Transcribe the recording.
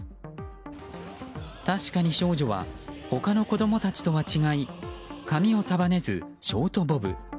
確かに少女は他の子供たちとは違い髪を束ねずショートボブ。